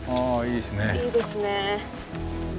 いいですね。